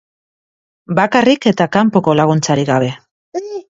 Bakarrik eta kanpoko laguntzarik gabe.